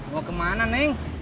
mau kemana neng